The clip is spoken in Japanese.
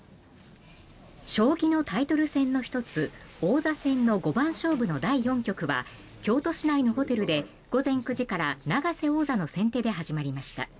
将棋のタイトル戦の１つ王座戦の五番勝負の第４局は京都市内のホテルで午前９時から永瀬王座の先手で始まりました。